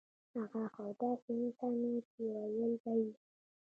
هغه خو داسې انسان وو چې وييل به يې